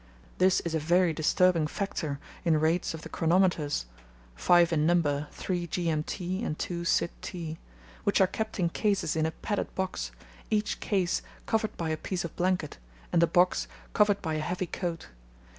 This is a very disturbing factor in rates of the chronometers (five in number, 3 G.M.T. and 2 Sid.T.), which are kept in cases in a padded box, each case covered by a piece of blanket, and the box covered by a heavy coat.